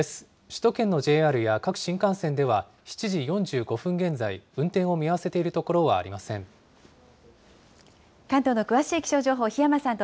首都圏のＪＲや各新幹線では７時４５分現在、運転を見合わせているところはありません。